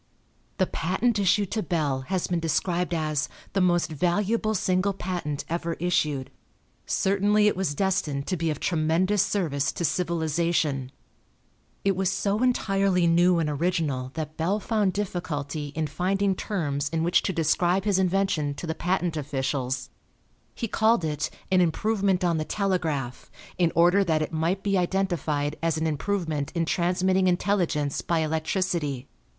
The patent issued to Bell has been described as "the most valuable single patent ever issued." Certainly it was destined to be of tremendous service to civilization. It was so entirely new and original that Bell found difficulty in finding terms in which to describe his invention to the patent officials. He called it "an improvement on the telegraph," in order that it might be identified as an improvement in transmitting intelligence by electricity.